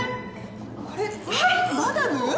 これマダム！？